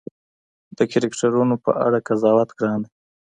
د کرکټرونو په اړه قضاوت ګران دی.